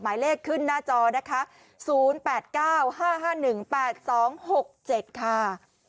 หมายเลขขึ้นหน้าจอนะคะ๐๘๙๕๕๑๘๒๖๗ค่ะ